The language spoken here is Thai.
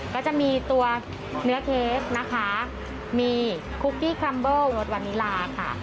ก็จะมีตัวเนื้อเค้กนะคะมีคุกกี้คัมเบิ้ลรสวันนิลาค่ะ